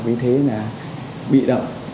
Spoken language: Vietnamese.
vì thế là bị động